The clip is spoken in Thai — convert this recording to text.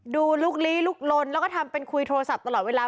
ลุกลี้ลุกลนแล้วก็ทำเป็นคุยโทรศัพท์ตลอดเวลา